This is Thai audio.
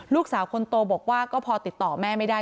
ลูกสาวคนโตบอกว่าก็พอติดต่อแม่ไม่ได้